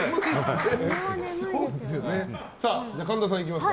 神田さん、いきますか。